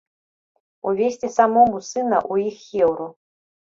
Увесці самому сына ў іх хеўру.